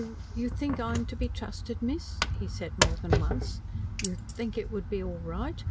"You think I am to be trusted, miss?" he said more than once. "You think it would be all right?